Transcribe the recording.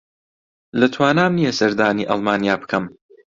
لە توانام نییە سەردانی ئەڵمانیا بکەم.